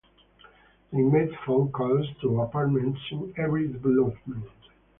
We made phone calls to apartments in every development.